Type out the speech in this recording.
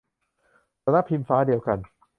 สำนักพิมพ์ฟ้าเดียวกัน